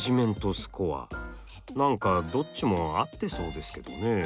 何かどっちも合ってそうですけどね。